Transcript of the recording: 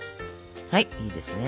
はいいいですね